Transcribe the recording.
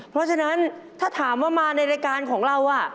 เพราะฉะนั้นถ้าถามว่ามาในรายการของเรา